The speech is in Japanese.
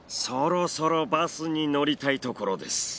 そろそろバスに乗りたいところです。